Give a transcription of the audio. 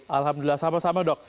alhamdulillah sama sama dok